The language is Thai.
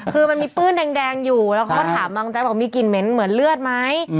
คือมันมีปื้นแดงอยู่แล้วเขาก็ถามบางแจ๊บอกมีกลิ่นเหม็นเหมือนเลือดไหม